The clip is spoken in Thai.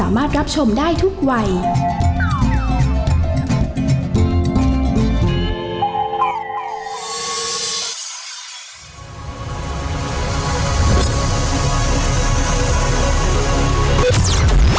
หน้าเพลียรส